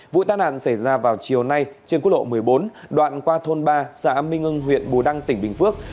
vụ tai nạn xảy ra vào chiều nay trên quốc lộ một mươi bốn đoạn qua thôn ba xã minh hưng huyện bù đăng tỉnh bình phước